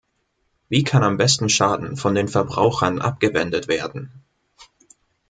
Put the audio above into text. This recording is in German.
Wie kann am besten Schaden von den Verbrauchern abgewendet werden?